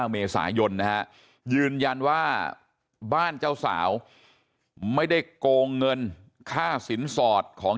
เมษายนนะฮะยืนยันว่าบ้านเจ้าสาวไม่ได้โกงเงินค่าสินสอดของ